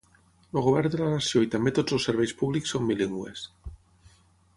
El govern de la nació i també tots els serveis públics són bilingües.